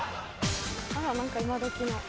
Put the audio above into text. あら何か今どきの。